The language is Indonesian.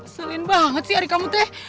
sering banget sih ari kamu teh